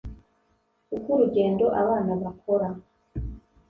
uko urugendo abana bakora